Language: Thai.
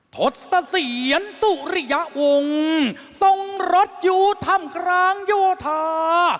ทศเซียนสุริยองค์ทรงรจอยู่ธรรมกรางโยธา